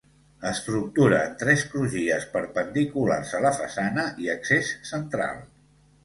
Estructura en tres crugies perpendiculars a la façana i accés central.